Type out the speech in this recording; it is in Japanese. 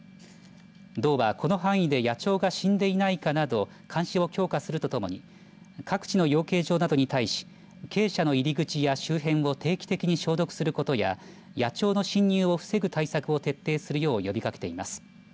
道はこの範囲で野鳥が死んでいないかなど監視を強化するとともに各地の養鶏場などに対し鶏舎の入り口や周辺を定期的に消毒することや野鳥の侵入を防ぐ対策を徹底するよう呼びかけています。